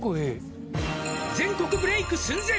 「全国ブレイク寸前！」